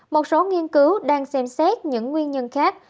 một số nghiên cứu đang xem xét những nguyên nhân khác